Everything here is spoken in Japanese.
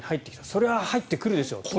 それは入ってくるでしょう。